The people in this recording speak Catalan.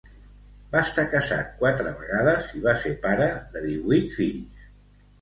Va estar casat quatre vegades i va ser pare de divuit fills.